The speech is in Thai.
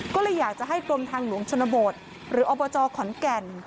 ก็เลยอยากจะให้กรมทางหลวงชนบทหรืออบจขอนแก่น